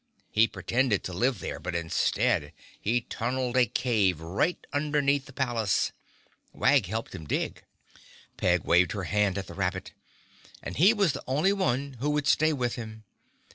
He pretended to live there, but instead he tunneled a cave right underneath the palace. Wag helped him dig." Peg waved her hand at the rabbit. "And he was the only one who would stay with him.